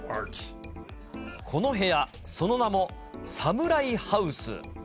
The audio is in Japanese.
この部屋、その名もサムライハウス。